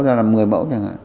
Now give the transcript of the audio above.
ta làm một mươi mẫu